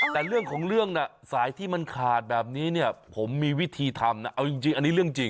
แต่เรื่องของเรื่องน่ะสายที่มันขาดแบบนี้เนี่ยผมมีวิธีทำนะเอาจริงอันนี้เรื่องจริง